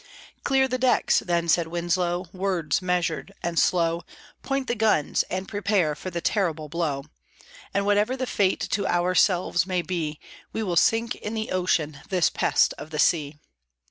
"Clear the decks," then said Winslow, words measured and slow; "Point the guns, and prepare for the terrible blow; And whatever the fate to ourselves may be, We will sink in the ocean this pest of the sea."